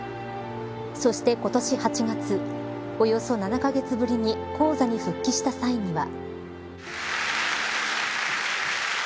そして、今年８月およそ７カ月ぶりに高座に復帰した際には。